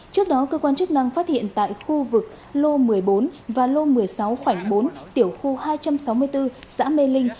trước đó cơ quan chức năng phát hiện tại khu vực lô một mươi bốn và lô một mươi sáu bốn tiểu khu hai trăm sáu mươi bốn xã mê linh